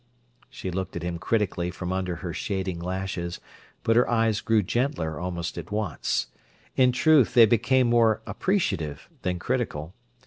She looked at him critically from under her shading lashes—but her eyes grew gentler almost at once. In truth, they became more appreciative than critical.